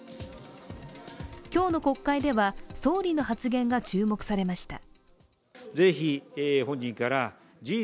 今日の国会では、総理の発言が注目されました。